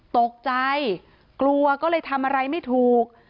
ตกใจกลัวก็เลยทำอะไรไม่ถูก